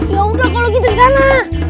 ya udah kalau gitu di sana